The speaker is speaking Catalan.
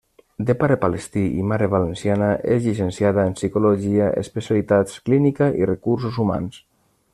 De pare palestí i mare valenciana, és llicenciada en psicologia, especialitats clínica i recursos humans.